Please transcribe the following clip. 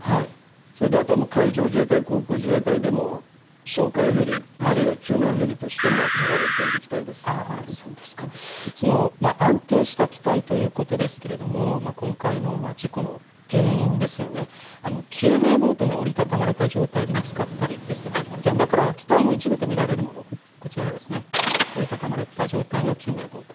それであとは海上自衛隊、航空自衛隊でも、哨戒ヘリ、あるいは救難ヘリとしても使われている機体安定した機体ということですけれども、今回の事故の原因ですよね、救命ボートが折り畳まれた状態で見つかったりですとか、現場からは機体の一部と見られるもの、こちらが折り畳まれた状態の救命ボート。